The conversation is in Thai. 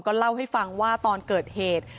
เล่าให้ฟังว่าตอนเกิดเหตุ